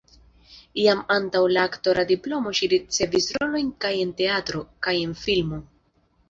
Jam antaŭ la aktora diplomo ŝi ricevis rolojn kaj en teatro, kaj en filmo.